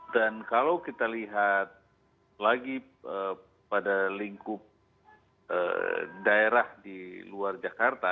dan kalau kita lihat lagi pada lingkup daerah di luar jakarta